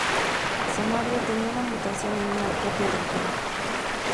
Su madre, tenía una mutación en una copia del gen.